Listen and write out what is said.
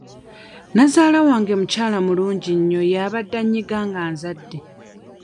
Nazaala wange mukyala mulungi nnyo y'abadde annyiga nga nzadde.